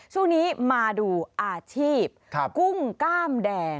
ช่วงนี้มาดูอาชีพกุ้งกล้ามแดง